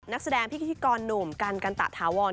นักแสดงพิธีกรหนุ่มกันกันตะถาวร